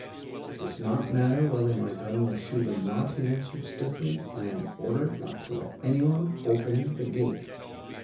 "It does not matter whether my gun will shoot or not," he answered, stiffly. "I am ordered not to let anyone open the gate."